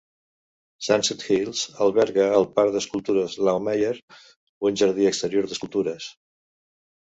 Sunset Hills alberga el Parc d'Escultures Laumeier, un jardí exterior d'escultures.